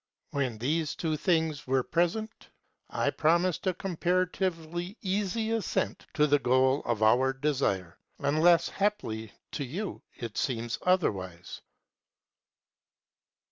When these two things were present, I promised a comparatively easy ascent to the goal of our desire. Unless haply to you it seems otherwise?